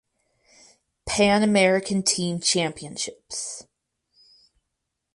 Pan American Team Championships